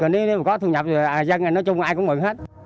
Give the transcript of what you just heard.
nếu có thu nhập dân thì nói chung ai cũng mượn hết